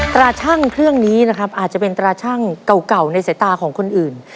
ราชั่งเครื่องนี้นะครับอาจจะเป็นตราชั่งเก่าในสายตาของคนอื่น